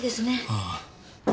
ああ。